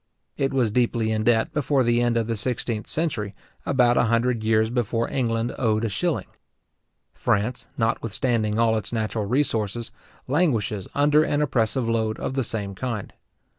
It was deeply in debt before the end of the sixteenth century, about a hundred years before England owed a shilling. France, notwithstanding all its natural resources, languishes under an oppressive load of the same kind.